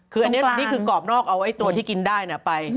คืออันนี้นี่คือกรอบนอกเอาไอ้ตัวที่กินได้ไป